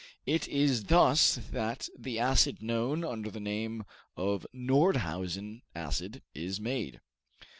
It is thus that the acid known under the name of Nordhausen acid is made.